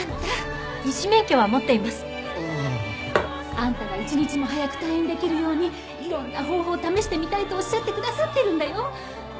あんたが一日も早く退院できるようにいろんな方法を試してみたいとおっしゃってくださってるんだよ。